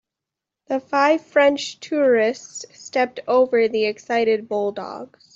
The five French tourists stepped over the excited bulldogs.